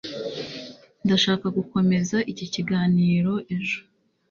ndashaka gukomeza iki kiganiro ejo